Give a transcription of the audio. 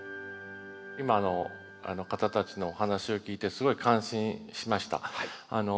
今の方たちのお話を聞いてすごい感心しました。